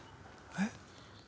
えっ？